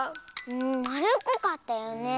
まるっこかったよねえ。